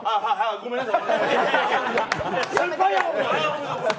ごめんなさい。